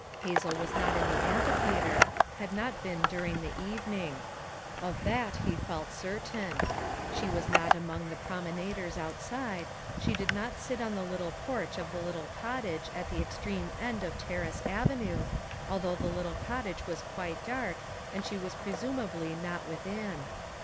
Hazel was not in the amphi theater, had not been during the evening; of that he felt certain; she was not among the promenaders outside, she did not sit on the Httle porch of the little cottage at the extreme end of Terrace Avenue, although the little cot tage was quite dark, and she was presumably not within.